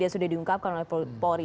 sudah diungkapkan oleh polri